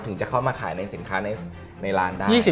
ถึงจะเข้ามาขายในสินค้าในร้านได้